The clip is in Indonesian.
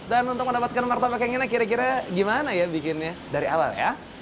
dan untuk mendapatkan martabak yang ini kira kira gimana ya bikinnya dari awal ya